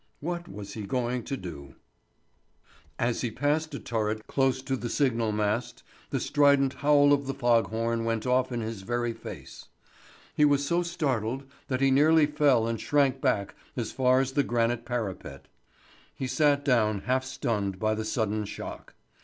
What was he going to do? As he passed a turret close to the signal mast the strident howl of the fog horn went off in his very face. He was so startled that he nearly fell and shrank back as far as the granite parapet. He sat down half stunned by the sudden shock.